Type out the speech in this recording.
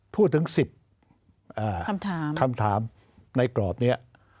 พูดถึง๑๐คำถามในกรอบนี้